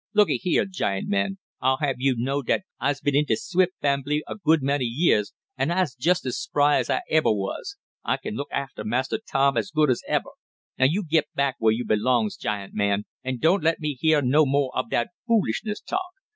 Looky heah, giant man, I'd hab yo' know dat I's been in de Swift fambly a good many years, an' I's jest as spry as I eber was. I kin look after Massa Tom as good as eber. Now yo' git back where yo' belongs, giant man, an' doan't let me heah no mo' ob dat foolishness talk.